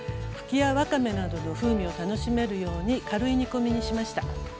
ふきやわかめなどの風味を楽しめるように軽い煮込みにしました。